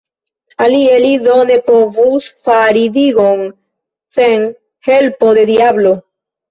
Alie li do ne povus fari digon, sen helpo de diablo!